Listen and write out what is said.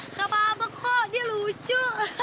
nggak apa apa kok dia lucu